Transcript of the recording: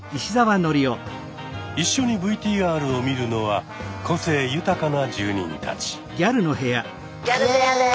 一緒にＶＴＲを見るのは個性豊かな住人たち。